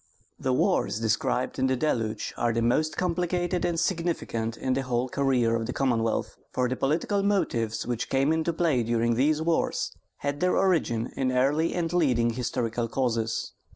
The wars described in THE DELUGE are the most complicated and significant in the whole career of the Commonwealth, for the political motives which came into play during these wars had their origin in early and leading historical causes.